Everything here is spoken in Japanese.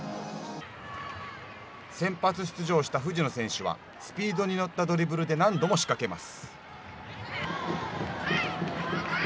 先発出場した藤野選手はスピードに乗ったドリブルで何度も仕掛けます。